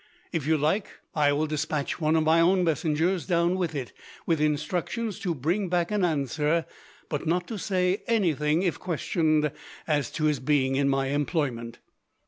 If you like, I will despatch one of my own messengers down with it, with instructions to bring back an answer, but not to say anything, if questioned, as to his being in my employment."